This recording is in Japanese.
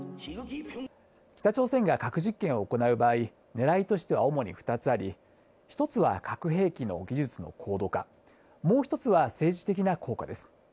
北朝鮮が核実験を行う場合、ねらいとしては主に２つあり、１つは核兵器の技術の高度化、もう１つは政治的な効果です。